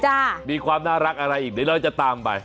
มีความน่ารักอะไรอีกเดี๋ยวเราจะตามไป